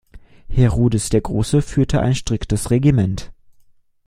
Herodes der Große führte ein striktes Regiment.